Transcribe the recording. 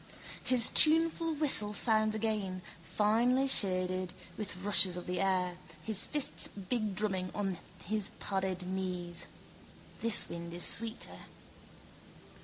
His tuneful whistle sounds again, finely shaded, with rushes of the air, his fists bigdrumming on his padded knees. This wind is sweeter.